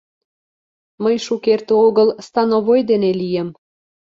Мый шукерте огыл становой дене лийым.